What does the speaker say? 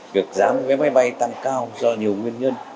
việc giá vé máy bay tăng cao do nhiều nguyên nhân